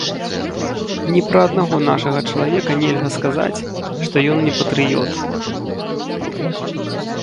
Ні пра аднаго нашага чалавека нельга сказаць, што ён не патрыёт.